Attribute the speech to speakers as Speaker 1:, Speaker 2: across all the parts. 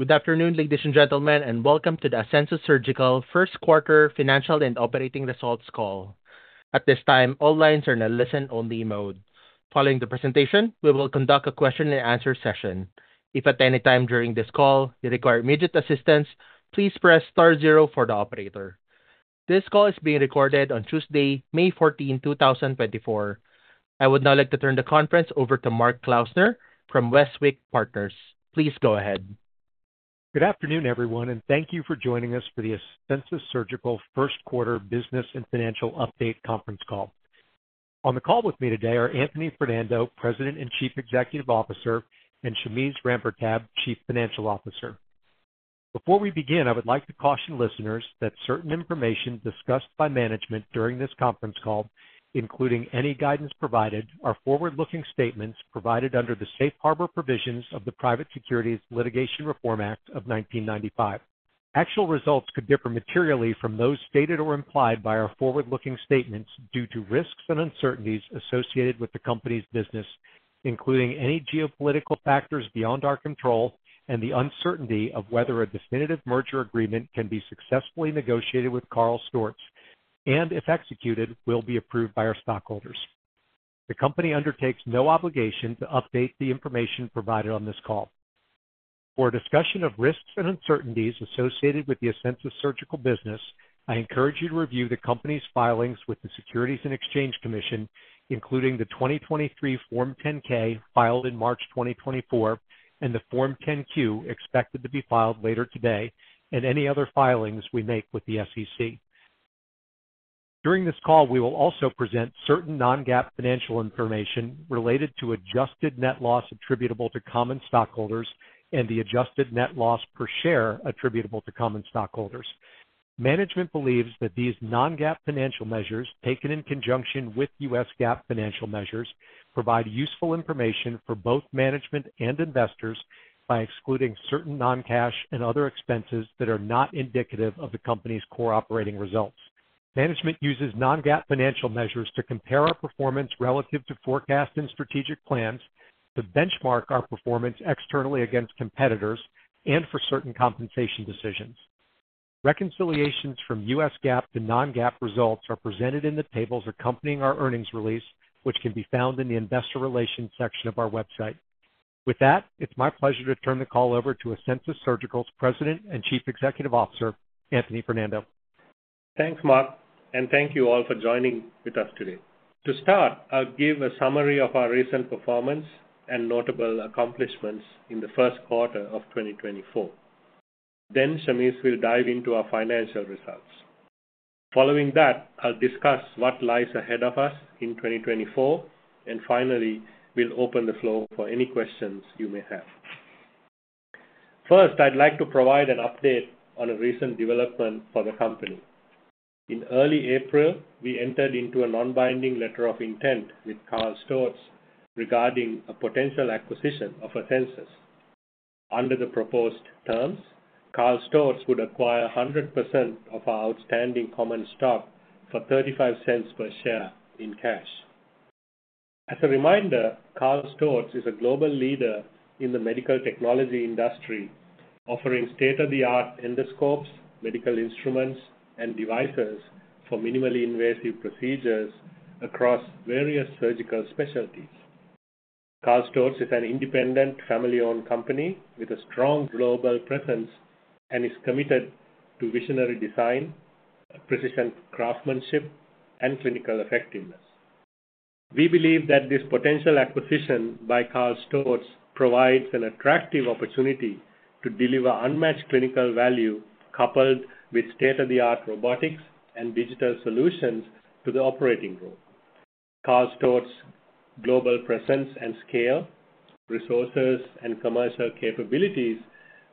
Speaker 1: Good afternoon, ladies and gentlemen, and welcome to the Asensus Surgical first quarter financial and operating results call. At this time, all lines are in a listen-only mode. Following the presentation, we will conduct a question-and-answer session. If at any time during this call you require immediate assistance, please press star zero for the operator. This call is being recorded on Tuesday, May 14, 2024. I would now like to turn the conference over to Mark Klausner from Westwicke Partners. Please go ahead.
Speaker 2: Good afternoon, everyone, and thank you for joining us for the Asensus Surgical first quarter business and financial update conference call. On the call with me today are Anthony Fernando, President and Chief Executive Officer, and Shameze Rampertab, Chief Financial Officer. Before we begin, I would like to caution listeners that certain information discussed by management during this conference call, including any guidance provided, are forward-looking statements provided under the Safe Harbor provisions of the Private Securities Litigation Reform Act of 1995. Actual results could differ materially from those stated or implied by our forward-looking statements due to risks and uncertainties associated with the company's business, including any geopolitical factors beyond our control and the uncertainty of whether a definitive merger agreement can be successfully negotiated with KARL STORZ, and if executed, will be approved by our stockholders. The company undertakes no obligation to update the information provided on this call. For a discussion of risks and uncertainties associated with the Asensus Surgical business, I encourage you to review the company's filings with the Securities and Exchange Commission, including the 2023 Form 10-K filed in March 2024 and the Form 10-Q expected to be filed later today, and any other filings we make with the SEC. During this call, we will also present certain non-GAAP financial information related to adjusted net loss attributable to common stockholders and the adjusted net loss per share attributable to common stockholders. Management believes that these non-GAAP financial measures, taken in conjunction with U.S. GAAP financial measures, provide useful information for both management and investors by excluding certain non-cash and other expenses that are not indicative of the company's core operating results. Management uses non-GAAP financial measures to compare our performance relative to forecast and strategic plans, to benchmark our performance externally against competitors, and for certain compensation decisions. Reconciliations from U.S. GAAP to non-GAAP results are presented in the tables accompanying our earnings release, which can be found in the Investor Relations section of our website. With that, it's my pleasure to turn the call over to Asensus Surgical's President and Chief Executive Officer, Anthony Fernando.
Speaker 3: Thanks, Mark, and thank you all for joining with us today. To start, I'll give a summary of our recent performance and notable accomplishments in the first quarter of 2024. Then Shameze will dive into our financial results. Following that, I'll discuss what lies ahead of us in 2024, and finally, we'll open the floor for any questions you may have. First, I'd like to provide an update on a recent development for the company. In early April, we entered into a non-binding letter of intent with KARL STORZ regarding a potential acquisition of Asensus. Under the proposed terms, KARL STORZ would acquire 100% of our outstanding common stock for $0.35 per share in cash. As a reminder, KARL STORZ is a global leader in the medical technology industry, offering state-of-the-art endoscopes, medical instruments, and devices for minimally invasive procedures across various surgical specialties. KARL STORZ is an independent, family-owned company with a strong global presence and is committed to visionary design, precision craftsmanship, and clinical effectiveness. We believe that this potential acquisition by KARL STORZ provides an attractive opportunity to deliver unmatched clinical value coupled with state-of-the-art robotics and digital solutions to the operating room. KARL STORZ's global presence and scale, resources, and commercial capabilities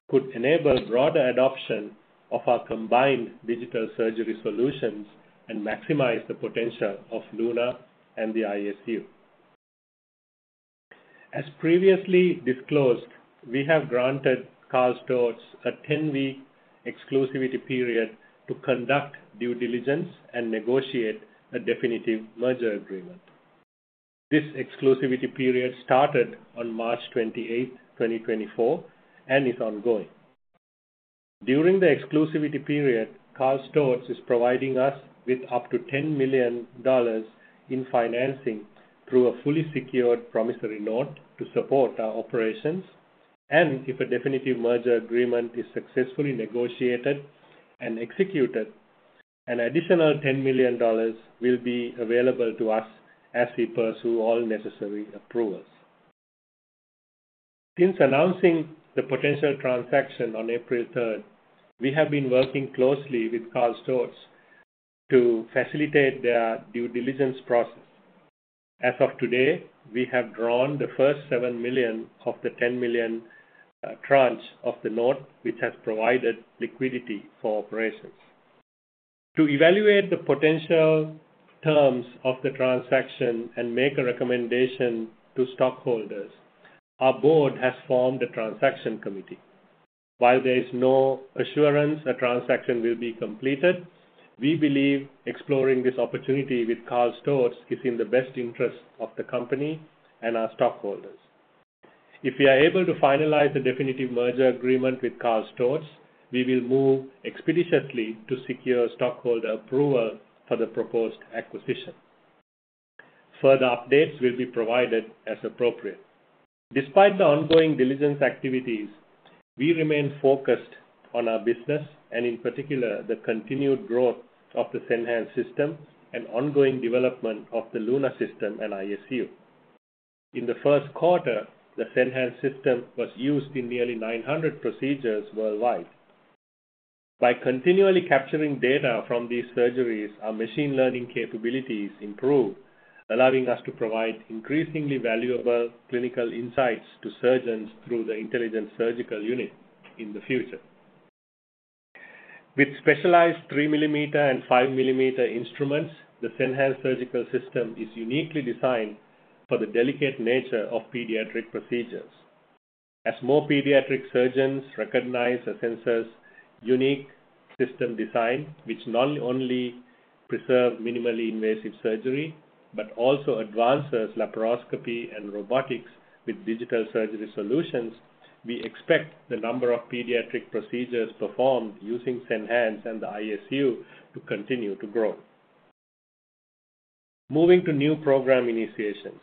Speaker 3: could enable broader adoption of our combined digital surgery solutions and maximize the potential of LUNA and the ISU. As previously disclosed, we have granted KARL STORZ a 10-week exclusivity period to conduct due diligence and negotiate a definitive merger agreement. This exclusivity period started on March 28, 2024, and is ongoing. During the exclusivity period, KARL STORZ is providing us with up to $10 million in financing through a fully secured promissory note to support our operations, and if a definitive merger agreement is successfully negotiated and executed, an additional $10 million will be available to us as we pursue all necessary approvals. Since announcing the potential transaction on April 3rd, we have been working closely with KARL STORZ to facilitate their due diligence process. As of today, we have drawn the first $7 million of the $10 million tranche of the note, which has provided liquidity for operations. To evaluate the potential terms of the transaction and make a recommendation to stockholders, our board has formed a transaction committee. While there is no assurance a transaction will be completed, we believe exploring this opportunity with KARL STORZ is in the best interest of the company and our stockholders. If we are able to finalize the definitive merger agreement with KARL STORZ, we will move expeditiously to secure stockholder approval for the proposed acquisition. Further updates will be provided as appropriate. Despite the ongoing diligence activities, we remain focused on our business and, in particular, the continued growth of the Senhance system and ongoing development of the LUNA system and ISU. In the first quarter, the Senhance system was used in nearly 900 procedures worldwide. By continually capturing data from these surgeries, our machine learning capabilities improve, allowing us to provide increasingly valuable clinical insights to surgeons through the Intelligent Surgical Unit in the future. With specialized 3 mm and 5 mm instruments, the Senhance surgical system is uniquely designed for the delicate nature of pediatric procedures. As more pediatric surgeons recognize Asensus' unique system design, which not only preserves minimally invasive surgery but also advances laparoscopy and robotics with digital surgery solutions, we expect the number of pediatric procedures performed using Senhance and the ISU to continue to grow. Moving to new program initiations.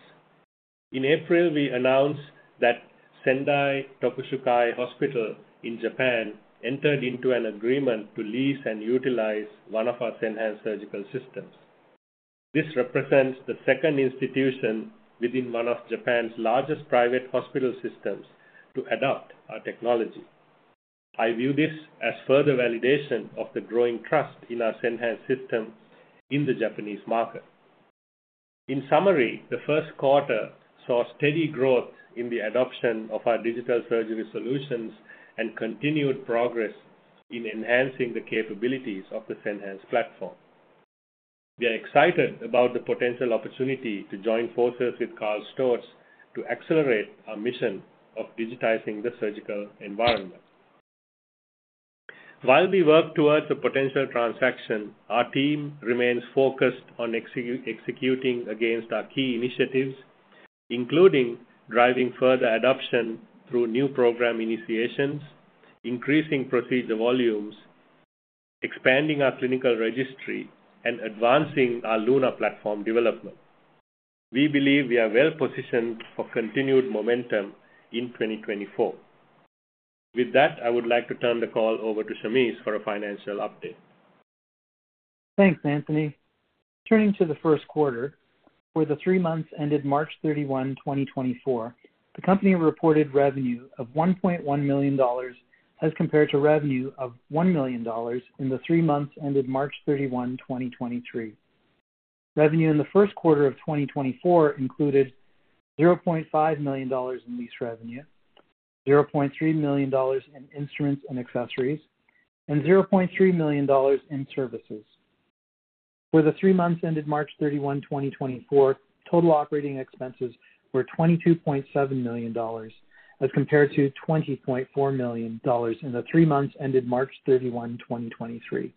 Speaker 3: In April, we announced that Sendai Tokushukai Hospital in Japan entered into an agreement to lease and utilize one of our Senhance surgical systems. This represents the second institution within one of Japan's largest private hospital systems to adopt our technology. I view this as further validation of the growing trust in our Senhance system in the Japanese market. In summary, the first quarter saw steady growth in the adoption of our digital surgery solutions and continued progress in enhancing the capabilities of the Senhance platform. We are excited about the potential opportunity to join forces with KARL STORZ to accelerate our mission of digitizing the surgical environment. While we work towards a potential transaction, our team remains focused on executing against our key initiatives, including driving further adoption through new program initiations, increasing procedure volumes, expanding our clinical registry, and advancing our LUNA platform development. We believe we are well positioned for continued momentum in 2024. With that, I would like to turn the call over to Shameze for a financial update.
Speaker 4: Thanks, Anthony. Turning to the first quarter, where the three months ended March 31, 2024, the company reported revenue of $1.1 million as compared to revenue of $1 million in the three months ended March 31, 2023. Revenue in the first quarter of 2024 included $0.5 million in lease revenue, $0.3 million in instruments and accessories, and $0.3 million in services. For the three months ended March 31, 2024, total operating expenses were $22.7 million as compared to $20.4 million in the three months ended March 31, 2023.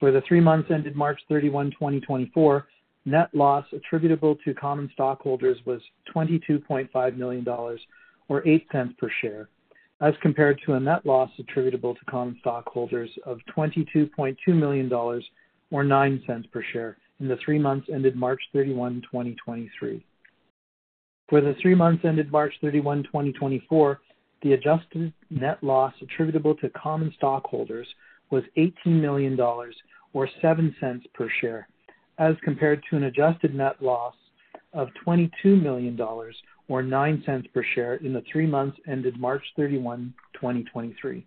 Speaker 4: For the three months ended March 31, 2024, net loss attributable to common stockholders was $22.5 million or $0.08 per share as compared to a net loss attributable to common stockholders of $22.2 million or $0.09 per share in the three months ended March 31, 2023. For the three months ended March 31, 2024, the adjusted net loss attributable to common stockholders was $18 million or $0.07 per share as compared to an adjusted net loss of $22 million or $0.09 per share in the three months ended March 31, 2023.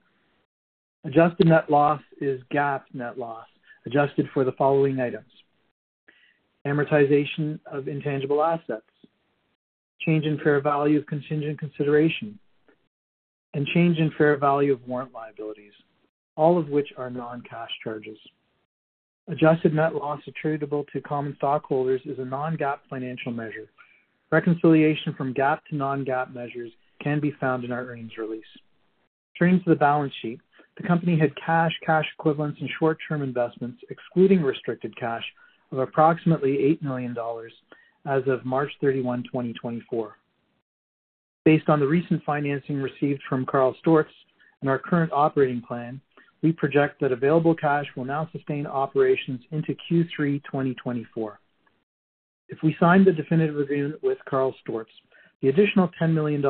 Speaker 4: Adjusted net loss is GAAP net loss adjusted for the following items: amortization of intangible assets, change in fair value of contingent consideration, and change in fair value of warrant liabilities, all of which are non-cash charges. Adjusted net loss attributable to common stockholders is a non-GAAP financial measure. Reconciliation from GAAP to non-GAAP measures can be found in our earnings release. Turning to the balance sheet, the company had cash, cash equivalents, and short-term investments, excluding restricted cash, of approximately $8 million as of March 31, 2024. Based on the recent financing received from KARL STORZ and our current operating plan, we project that available cash will now sustain operations into Q3 2024. If we sign the definitive agreement with KARL STORZ, the additional $10 million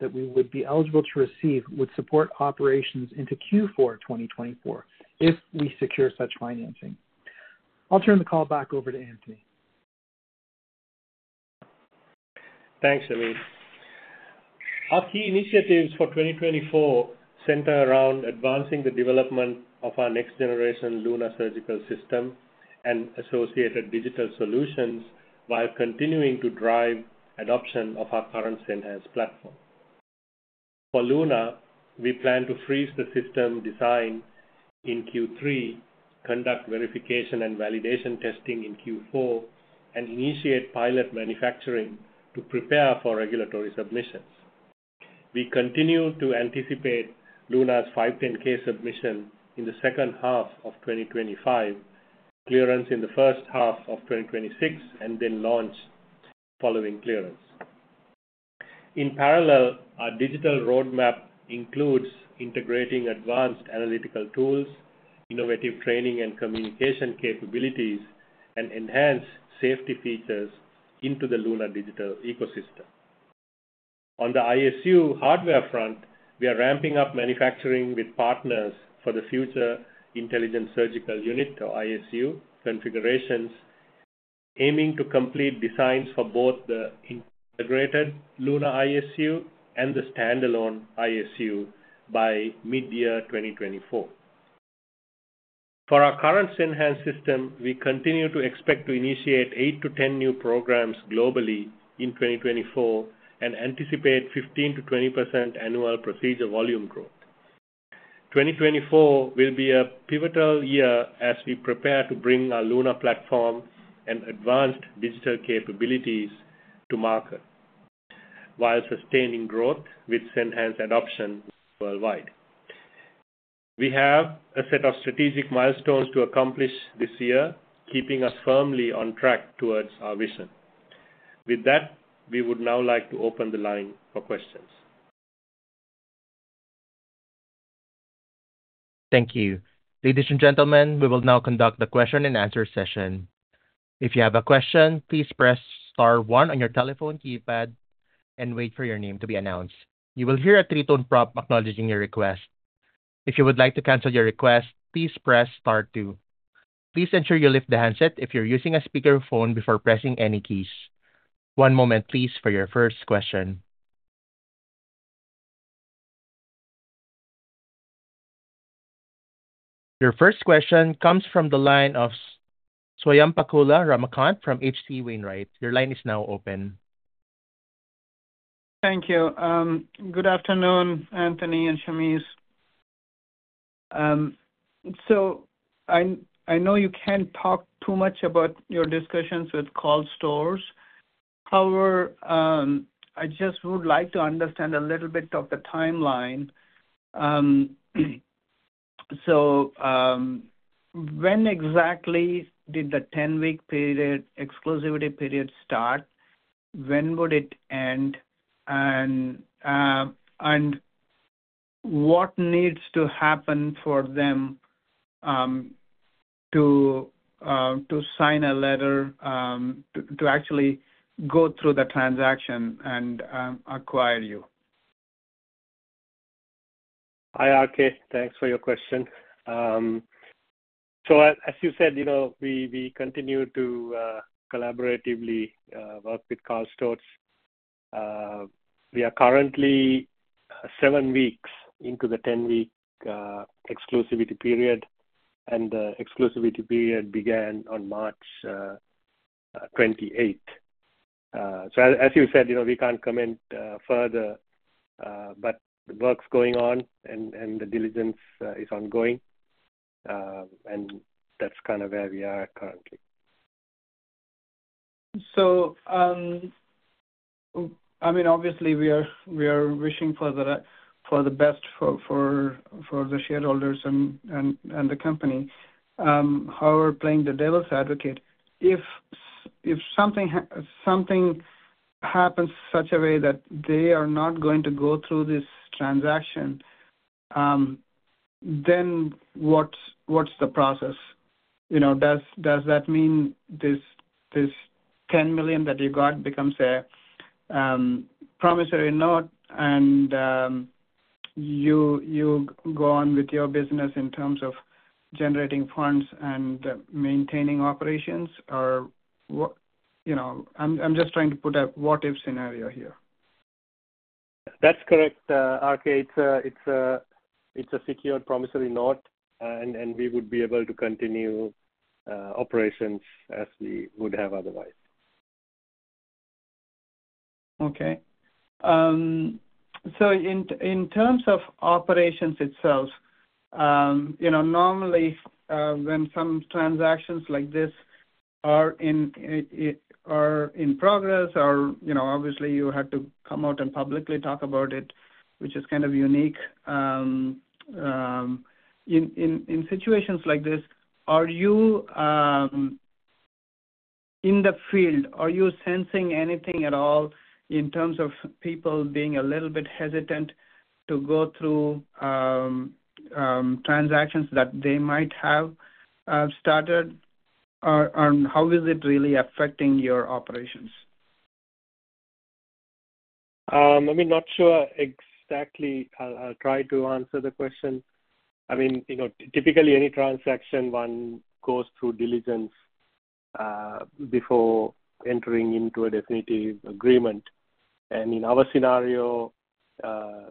Speaker 4: that we would be eligible to receive would support operations into Q4 2024 if we secure such financing. I'll turn the call back over to Anthony.
Speaker 3: Thanks, Shameze. Our key initiatives for 2024 center around advancing the development of our next-generation LUNA Surgical System and associated digital solutions while continuing to drive adoption of our current Senhance platform. For LUNA, we plan to freeze the system design in Q3, conduct verification and validation testing in Q4, and initiate pilot manufacturing to prepare for regulatory submissions. We continue to anticipate LUNA's 510(k) submission in the second half of 2025, clearance in the first half of 2026, and then launch following clearance. In parallel, our digital roadmap includes integrating advanced analytical tools, innovative training and communication capabilities, and enhanced safety features into the LUNA digital ecosystem. On the ISU hardware front, we are ramping up manufacturing with partners for the future Intelligent Surgical Unit or ISU configurations, aiming to complete designs for both the integrated LUNA ISU and the standalone ISU by mid-year 2024. For our current Senhance system, we continue to expect to initiate eight-10 new programs globally in 2024 and anticipate 15%-20% annual procedure volume growth. 2024 will be a pivotal year as we prepare to bring our LUNA platform and advanced digital capabilities to market while sustaining growth with Senhance adoption worldwide. We have a set of strategic milestones to accomplish this year, keeping us firmly on track towards our vision. With that, we would now like to open the line for questions.
Speaker 1: Thank you. Ladies and gentlemen, we will now conduct the question-and-answer session. If you have a question, please press star one on your telephone keypad and wait for your name to be announced. You will hear a three-tone prompt acknowledging your request. If you would like to cancel your request, please press star two. Please ensure you lift the handset if you're using a speakerphone before pressing any keys. One moment, please, for your first question. Your first question comes from the line of Swayampakula Ramakanth from H.C. Wainwright. Your line is now open.
Speaker 5: Thank you. Good afternoon, Anthony and Shameze. So I know you can't talk too much about your discussions with KARL STORZ. However, I just would like to understand a little bit of the timeline. So when exactly did the 10-week exclusivity period start? When would it end? And what needs to happen for them to sign a letter to actually go through the transaction and acquire you?
Speaker 3: Hi, RK. Thanks for your question. So as you said, we continue to collaboratively work with KARL STORZ. We are currently seven weeks into the 10-week exclusivity period, and the exclusivity period began on March 28th. So as you said, we can't comment further, but the work's going on and the diligence is ongoing. And that's kind of where we are currently.
Speaker 5: So I mean, obviously, we are wishing for the best for the shareholders and the company. However, playing the devil's advocate, if something happens in such a way that they are not going to go through this transaction, then what's the process? Does that mean this $10 million that you got becomes a promissory note and you go on with your business in terms of generating funds and maintaining operations? Or I'm just trying to put a what-if scenario here.
Speaker 3: That's correct, RK. It's a secured promissory note, and we would be able to continue operations as we would have otherwise.
Speaker 5: Okay. So in terms of operations itself, normally, when some transactions like this are in progress or obviously, you had to come out and publicly talk about it, which is kind of unique, in situations like this, in the field, are you sensing anything at all in terms of people being a little bit hesitant to go through transactions that they might have started? And how is it really affecting your operations?
Speaker 3: I mean, not sure exactly. I'll try to answer the question. I mean, typically, any transaction, one goes through diligence before entering into a definitive agreement. And in our scenario,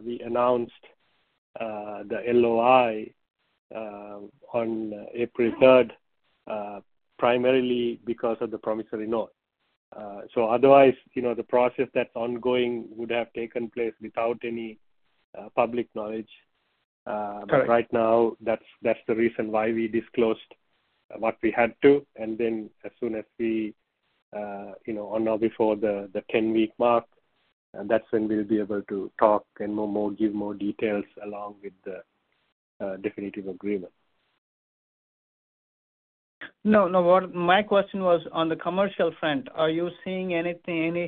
Speaker 3: we announced the LOI on April 3rd, primarily because of the promissory note. So otherwise, the process that's ongoing would have taken place without any public knowledge. Right now, that's the reason why we disclosed what we had to. And then as soon as we on or before the 10-week mark, that's when we'll be able to talk and give more details along with the definitive agreement.
Speaker 5: No, no. My question was on the commercial front. Are you seeing any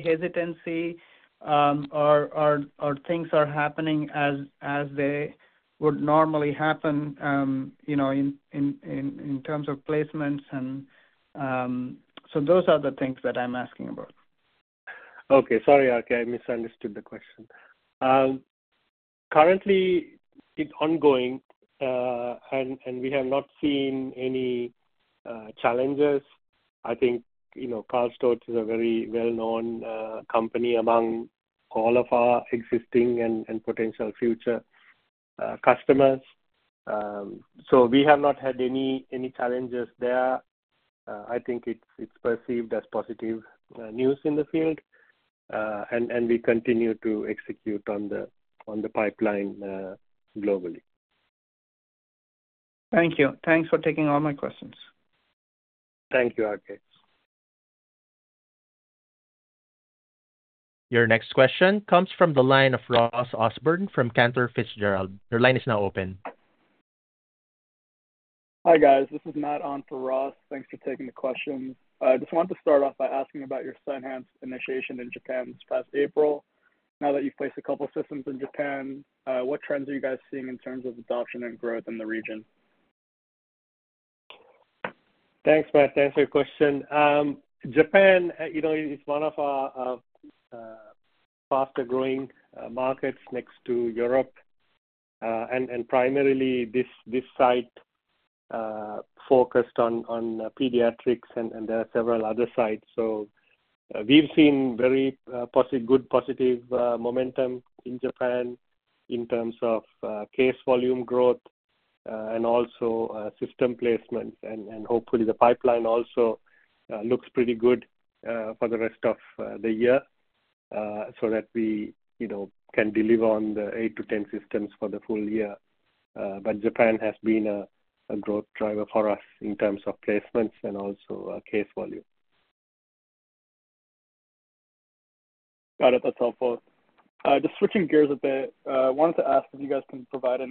Speaker 5: hesitancy or things are happening as they would normally happen in terms of placements? And so those are the things that I'm asking about.
Speaker 3: Okay. Sorry, RK. I misunderstood the question. Currently, it's ongoing, and we have not seen any challenges. I think KARL STORZ is a very well-known company among all of our existing and potential future customers. So we have not had any challenges there. I think it's perceived as positive news in the field, and we continue to execute on the pipeline globally.
Speaker 5: Thank you. Thanks for taking all my questions.
Speaker 3: Thank you, RK.
Speaker 1: Your next question comes from the line of Ross Osborn from Cantor Fitzgerald. Your line is now open.
Speaker 6: Hi, guys. This is Matt on for Ross. Thanks for taking the questions. I just wanted to start off by asking about your Senhance initiation in Japan this past April. Now that you've placed a couple of systems in Japan, what trends are you guys seeing in terms of adoption and growth in the region?
Speaker 3: Thanks, Matt. Thanks for your question. Japan is one of our faster-growing markets next to Europe. Primarily, this site focused on pediatrics, and there are several other sites. We've seen very good positive momentum in Japan in terms of case volume growth and also system placements. Hopefully, the pipeline also looks pretty good for the rest of the year so that we can deliver on the eight-10 systems for the full year. But Japan has been a growth driver for us in terms of placements and also case volume.
Speaker 6: Got it. That's helpful. Just switching gears a bit, I wanted to ask if you guys can provide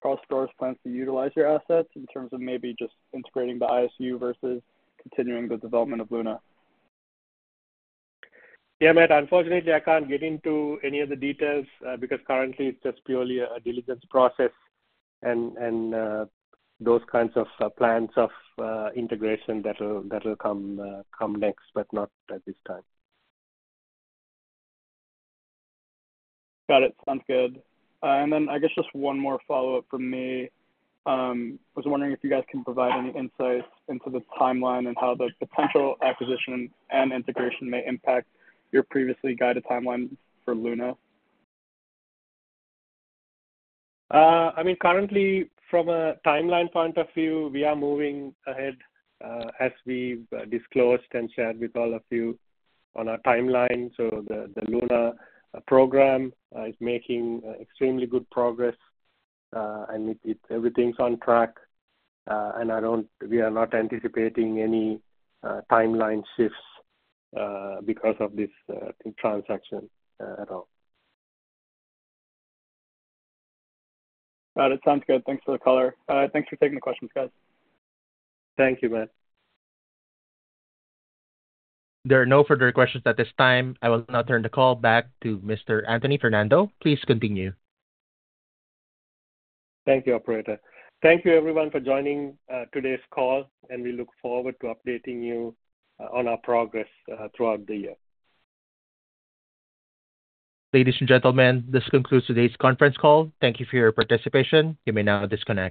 Speaker 6: any insight into how KARL STORZ plans to utilize your assets in terms of maybe just integrating the ISU versus continuing the development of LUNA?
Speaker 3: Yeah, Matt. Unfortunately, I can't get into any of the details because currently, it's just purely a diligence process and those kinds of plans of integration that will come next but not at this time.
Speaker 6: Got it. Sounds good. And then I guess just one more follow-up from me. I was wondering if you guys can provide any insights into the timeline and how the potential acquisition and integration may impact your previously guided timeline for LUNA?
Speaker 3: I mean, currently, from a timeline point of view, we are moving ahead as we've disclosed and shared with all of you on our timeline. So the LUNA program is making extremely good progress, and everything's on track. And we are not anticipating any timeline shifts because of this transaction at all.
Speaker 6: Got it. Sounds good. Thanks for the color. Thanks for taking the questions, guys.
Speaker 3: Thank you, Matt.
Speaker 1: There are no further questions at this time. I will now turn the call back to Mr. Anthony Fernando. Please continue.
Speaker 3: Thank you, operator. Thank you, everyone, for joining today's call, and we look forward to updating you on our progress throughout the year.
Speaker 1: Ladies and gentlemen, this concludes today's conference call. Thank you for your participation. You may now disconnect.